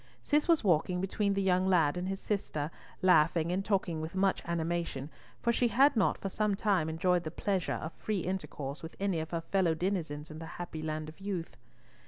Cis was walking between the young lad and his sister, laughing and talking with much animation, for she had not for some time enjoyed the pleasure of free intercourse with any of her fellow denizens in the happy land of youth.